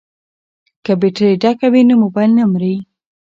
که بیټرۍ ډکه وي نو مبایل نه مري.